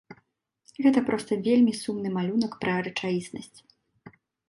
Гэта проста вельмі сумны малюнак пра рэчаіснасць.